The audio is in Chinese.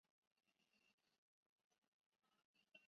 尚未发生大于十年一遇的洪水。